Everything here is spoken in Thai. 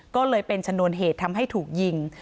ก็เลยเป็นชนวนเหตุทำให้ถูกยิง